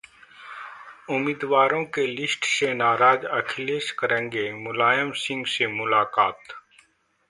उम्मीदवारों के लिस्ट से नाराज अखिलेश करेंगे मुलायम सिंह से मुलाकात